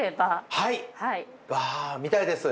はい見たいです。